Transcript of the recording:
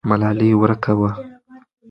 ملالۍ ورکه وه.